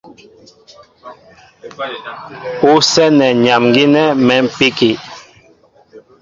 Ú sɛ́nɛ nyam gínɛ́ mɛ̌mpíki.